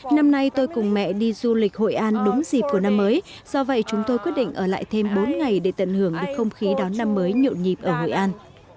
năm nay tôi cùng mẹ đi du lịch hội an đúng dịp của năm mới do vậy chúng tôi quyết định ở lại thêm bốn ngày để tận hưởng được không khí đón năm mới nhộn nhịp ở hội an